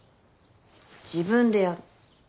自分でやる。